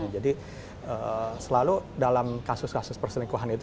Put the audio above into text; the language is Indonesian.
jadi selalu dalam kasus kasus perselingkuhan itu